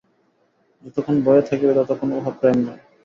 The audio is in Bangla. যতক্ষণ ভয় থাকিবে, ততক্ষণ উহা প্রেম নয়।